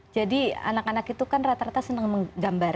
jadi anak anak itu kan rata rata senang menggambar